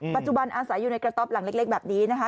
ปัจจุบันอาศัยอยู่ในกระต๊อปหลังเล็กแบบนี้นะคะ